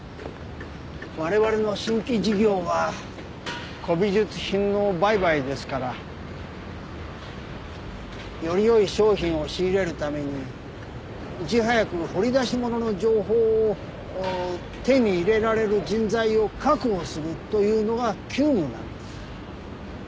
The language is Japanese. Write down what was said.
我々の新規事業は古美術品の売買ですからより良い商品を仕入れるためにいち早く掘り出し物の情報を手に入れられる人材を確保するというのが急務なんです。